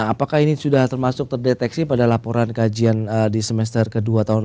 apakah ini sudah termasuk terdeteksi pada laporan kajian di semester ke dua tahun lalu